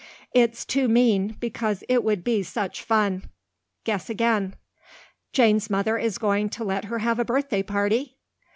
It's too mean, because it would be such fun. Guess again." "Jane's mother is going to let her have a birthday party?"